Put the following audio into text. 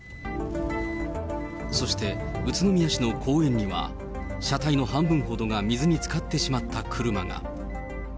そして宇都宮市の公園には、車体の半分ほどが水につかってしまった車が。